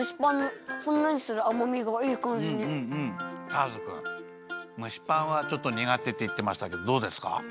ターズくんむしパンはちょっとにがてっていってましたけどどうですか？